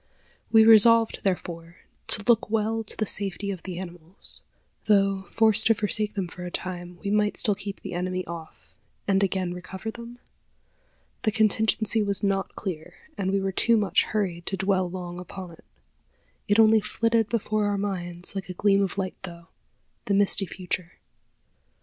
We resolved, therefore, to look well to the safety of the animals. Though, forced to forsake them for a time, we might still keep the enemy off, and again recover them? The contingency was not clear, and we were too much hurried to dwell long upon it. It only flitted before our minds like a gleam of light through, the misty future.